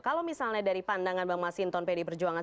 kalau misalnya dari pandangan bang mas hinton pedi perjuangan